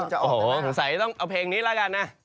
สงสัยต้องเอาเพลงนี้ละกันนะ